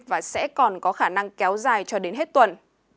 và sẽ còn có khả năng kéo dài cho đến hết tuần